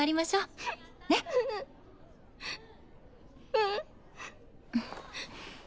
うん。